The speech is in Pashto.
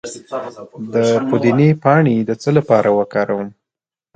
د پودینې پاڼې د څه لپاره وکاروم؟